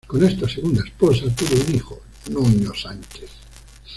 Con esta segunda esposa tuvo un hijo: Nuño Sánchez.